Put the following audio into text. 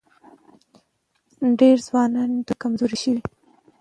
ډېری ځوانان دومره کمزوري شوي